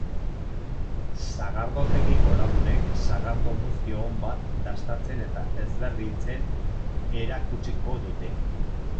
Sagardotegiko lagunek sagardo muztio on bat dastatzen eta ezberdintzen erakutsiko dute.